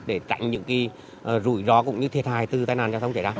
để tránh những rủi rõ cũng như thiệt hài từ tai nạn giao thông trở ra